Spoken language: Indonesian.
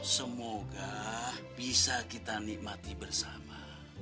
semoga bisa kita nikmati bersama